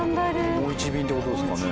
もう一便って事ですかね？